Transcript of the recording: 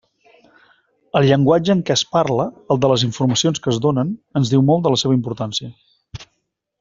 El llenguatge en què es parla, el de les informacions que es donen, ens diu molt de la seva importància.